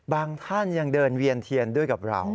ท่านยังเดินเวียนเทียนด้วยกับเรา